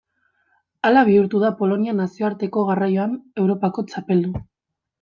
Hala bihurtu da Polonia nazioarteko garraioan Europako txapeldun.